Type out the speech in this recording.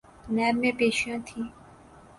NAB میں پیشیاں تھیں۔